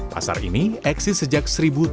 pasar ini eksis sejak seribu tujuh ratus tiga puluh tiga